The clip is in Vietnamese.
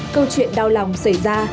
câu chuyện đau lòng xảy ra